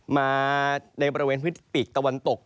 มาในบริเวณพื้นตะวันตก